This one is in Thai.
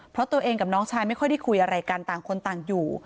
เพราะตัวเองกับน้องชายไม่ค่อยได้คุยอะไรกันต่างคนต่างอยู่